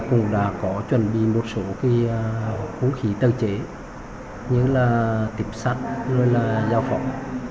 cũng đã có chuẩn bị một số cái vũ khí tự chế như là tuyếp sắt rồi là giao phóng